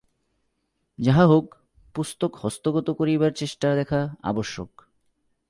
যাহা হউক, পুস্তক হস্তগত করিবার চেষ্টা দেখা আবশ্যক।